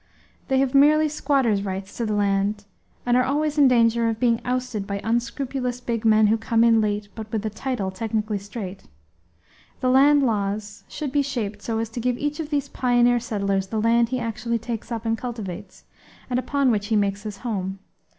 They have merely squatter's right to the land, and are always in danger of being ousted by unscrupulous big men who come in late, but with a title technically straight. The land laws should be shaped so as to give each of these pioneer settlers the land he actually takes up and cultivates, and upon which he makes his home.